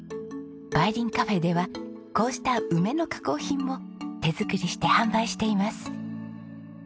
梅凛ｃａｆｆｅではこうした梅の加工品も手作りして販売しています。